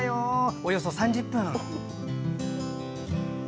およそ３０分。